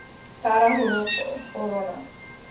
তাড়াহুড়ো কোরো না!